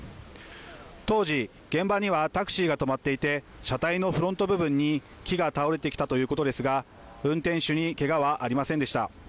当時、現場にはタクシーが止まっていて、車体のフロント部分に木が倒れてきたということですが運転手にけがはありませんでした。